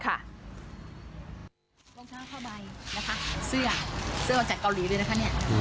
รองเท้าผ้าใบแล้วก็เสื้อมันจากเกาหลีเลยนะคะ